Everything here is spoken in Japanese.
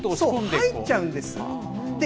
入っちゃうんですって。